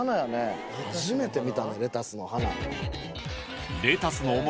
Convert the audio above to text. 初めて見たレタスの花。